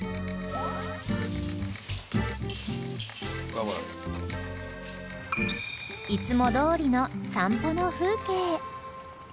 ［一方］［いつもどおりの散歩の風景］